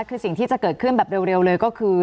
คือสิ่งที่จะเกิดขึ้นแบบเร็วเลยก็คือ